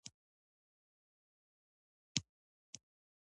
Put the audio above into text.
د عوایدو راټولول د دولت دنده ده